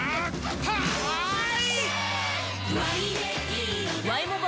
はい！